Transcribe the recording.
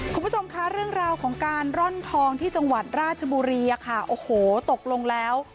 คุณผู้ชมคะเรื่องราวของการร่อนทองที่จังหวัดราชบุรีอะค่ะโอ้โหตกลงแล้ว